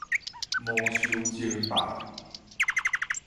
魔獸爭霸